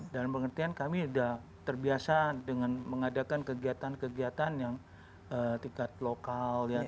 dan pengertian kami sudah terbiasa dengan mengadakan kegiatan kegiatan yang tingkat lokal ya